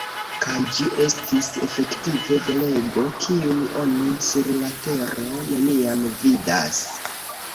Kaj ĝi estis efektive belego, kiun oni sur la tero neniam vidas.